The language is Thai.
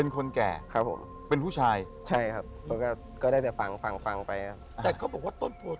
ครับผม